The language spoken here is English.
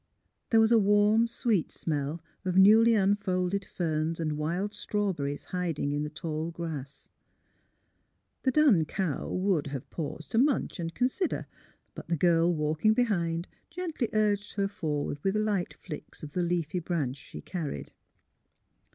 There was a warm sweet smell of newly unfolded ferns and wild strawberries hiding in the tall grass. The dun cow would have paused to munch and consider, but the girl walk ing behind gently urged her forward with light flicks of the leafy branch she carried.